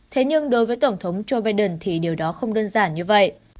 thế nhưng đối với tổng thống joe biden thì điều đó không đơn giản như vậy